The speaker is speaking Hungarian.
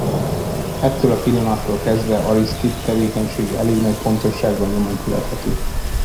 Ettől a pillanattól kezdve Arisztid tevékenysége elég nagy pontossággal nyomon követhető.